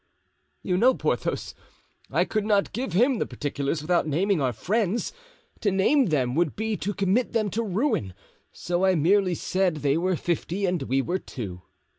"You know, Porthos, I could not give him the particulars without naming our friends; to name them would be to commit them to ruin, so I merely said they were fifty and we were two.